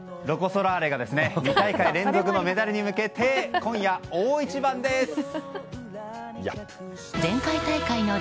ロコ・ソラーレが２大会連続のメダルへ向けて今夜、大一番です！